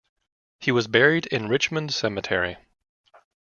He was buried in Richmond Cemetery.